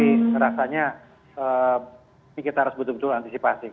karena kita tidak bisa mencari penyelamatkan covid sembilan belas di tempat tempat wisata di bogor